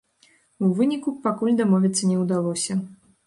У выніку, пакуль дамовіцца не ўдалося.